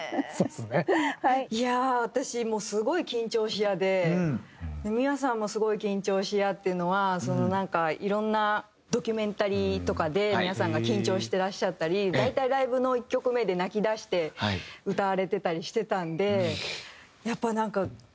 いやあ私もうすごい緊張し屋で美和さんもすごい緊張し屋っていうのはなんかいろんなドキュメンタリーとかで美和さんが緊張してらっしゃったり大体ライヴの１曲目で泣きだして歌われてたりしてたんでやっぱなんかそうですね